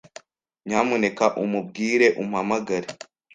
Nyamuneka umubwire umpamagare.